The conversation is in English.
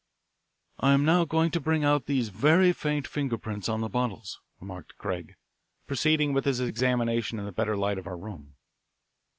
"I am now going to bring out these very faint finger prints on the bottles," remarked Craig, proceeding with his examination in the better light of our room.